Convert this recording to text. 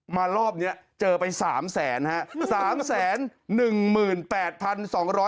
มารอบนี้เจอไป๓๐๐๐๐๐บาท